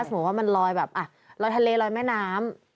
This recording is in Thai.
สมมุติว่ามันลอยแบบลอยทะเลลอยแม่น้ำ